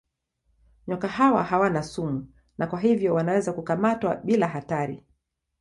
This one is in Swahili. Nyoka hawa hawana sumu na kwa hivyo wanaweza kukamatwa bila hatari.